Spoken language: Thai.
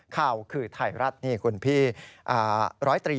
ข่าวคือไทรรัฐนี่คุณพี่